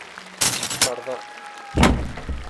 Teṭṭerḍeq.